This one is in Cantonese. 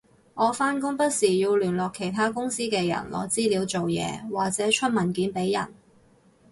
我返工不時要聯絡其他公司嘅人攞資料做嘢或者出文件畀人